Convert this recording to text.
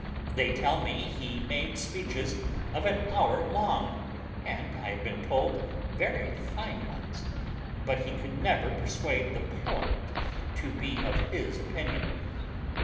They tell me he made speeches of an hour long, and, I have been told, very fine ones; but he could never persuade the parliament to be of his opinion.